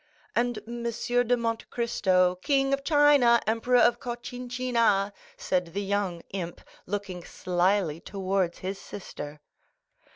"And M. de Monte Cristo, King of China, Emperor of Cochin China," said the young imp, looking slyly towards his sister.